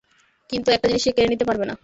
কিন্তু একটা জিনিস সে কেড়ে নিতে পারবে না।